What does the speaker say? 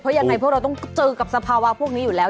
เพราะยังไงพวกเราต้องเจอกับสภาวะพวกนี้อยู่แล้ว